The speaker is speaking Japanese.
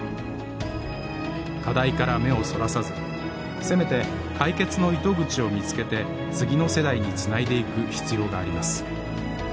課題から目をそらさずせめて解決の糸口を見つけて次の世代につないでいく必要があります。